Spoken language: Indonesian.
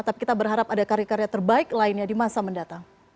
tapi kita berharap ada karya karya terbaik lainnya di masa mendatang